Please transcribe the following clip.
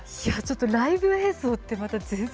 ライブ映像ってまた、全然。